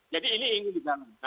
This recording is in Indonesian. jadi ini ingin diganggu